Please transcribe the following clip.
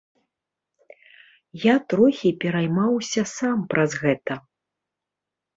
Я трохі пераймаўся сам праз гэта.